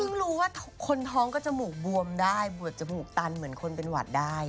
รู้ว่าคนท้องก็จมูกบวมได้บวชจมูกตันเหมือนคนเป็นหวัดได้